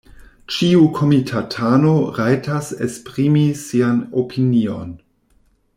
Ĉiu komitatano rajtas esprimi sian opinion.